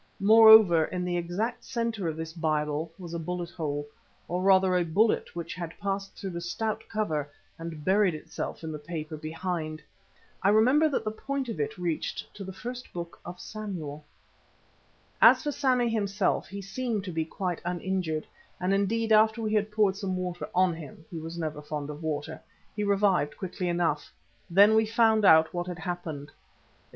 Moreover, in the exact centre of this Bible was a bullet hole, or rather a bullet which had passed through the stout cover and buried itself in the paper behind. I remember that the point of it reached to the First Book of Samuel. As for Sammy himself, he seemed to be quite uninjured, and indeed after we had poured some water on him he was never fond of water he revived quickly enough. Then we found out what had happened.